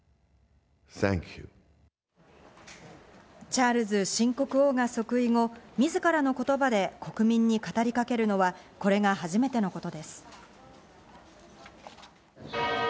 チャールズ新国王が即位後、みずからの言葉で国民に語りかけるのはこれが初めてのことです。